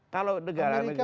kalau negara negara